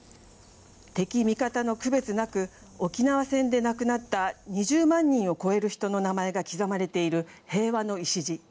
敵味方の区別なく沖縄戦で亡くなった２０万人を超える人の名前が刻まれている平和の礎。